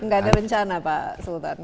nggak ada rencana pak sultan